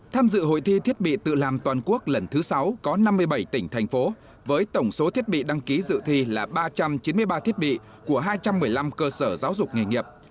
tham dự hội thi thiết bị tự làm toàn quốc lần thứ sáu có năm mươi bảy tỉnh thành phố với tổng số thiết bị đăng ký dự thi là ba trăm chín mươi ba thiết bị của hai trăm một mươi năm cơ sở giáo dục nghề nghiệp